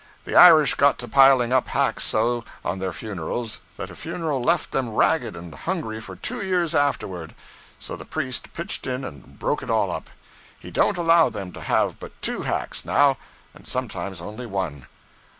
The Irish got to piling up hacks so, on their funerals, that a funeral left them ragged and hungry for two years afterward; so the priest pitched in and broke it all up. He don't allow them to have but two hacks now, and sometimes only one.'